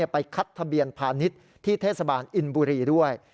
ไปคัดทะเบียนพาณิชย์ที่เทศบาลอินบุรีด้วย